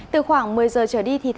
từ khoảng một mươi giờ trở đi thì